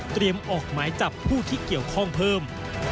ออกหมายจับผู้ที่เกี่ยวข้องเพิ่ม